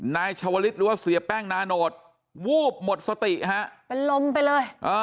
นายชาวลิศหรือว่าเสียแป้งนาโนตวูบหมดสติฮะเป็นลมไปเลย